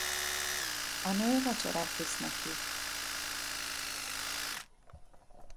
A nő vacsorát visz neki.